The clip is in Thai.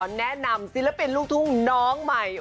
แนะนำศิลปินลูกทุ่งน้องใหม่